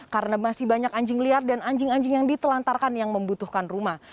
karena masih banyak anjing liar dan anjing anjing yang ditelantarkan yang membutuhkan rumah